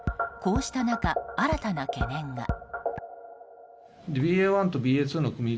こうした中、新たな懸念が。